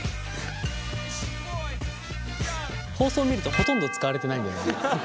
放送見るとほとんど使われてないんだよね。